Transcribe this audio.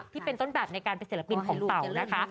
ที่เป็นต้นแบบในการเป็นศิลปินของเต่านะคะ